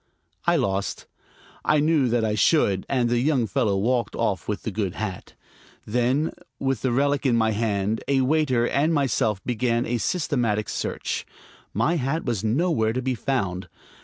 I lost; I knew that I should; and the young fellow walked off with the good hat. Then, with the relic in my hand, a waiter and myself began a systematic search. My hat was nowhere to be found.